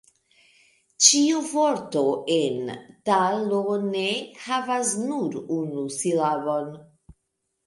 Ĉiu vorto en "Ta lo ne" havas nur unu silabon.